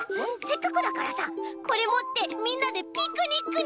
せっかくだからさこれもってみんなでピクニックにいこうよ！